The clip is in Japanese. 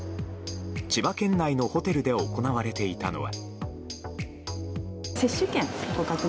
千葉県内のホテルで行われていたのは。